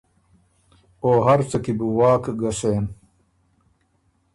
او هر څه کی بو واک ګۀ سېن۔